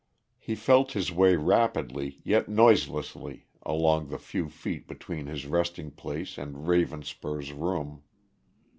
He felt his way rapidly, yet noiselessly, along the few feet between his resting place and Ravenspur's room.